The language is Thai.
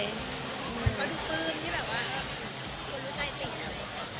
เพราะรู้ซื้อรู้ใจติด